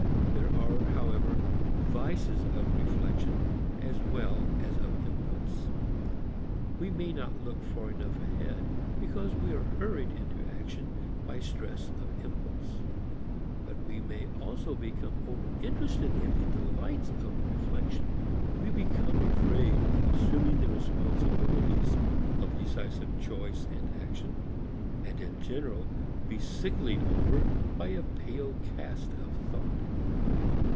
There are however vices of reflection as well as of impulse. We may not look far enough ahead because we are hurried into action by stress of impulse; but we may also become overinterested in the delights of reflection; we become afraid of assuming the responsibilities of decisive choice and action, and in general be sicklied over by a pale cast of thought.